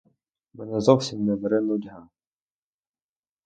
Мене зовсім не бере нудьга.